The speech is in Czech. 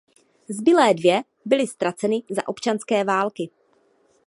Zbylé dvě byly ztraceny za občanské války.